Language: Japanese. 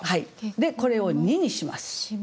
でこれを「に」にします。